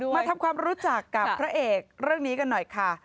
มาทำความรู้จักกับพระเอกเรื่องนี้กันหน่อยค่ะ